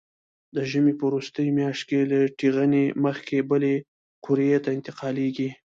د ژمي په وروستۍ میاشت کې له ټېغنې مخکې بلې قوریې ته انتقالېږي.